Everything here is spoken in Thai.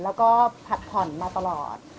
แล้วก็ผัดผ่อนมาตลอด